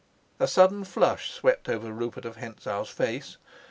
A sudden flush swept over Rupert of Hentzau's face.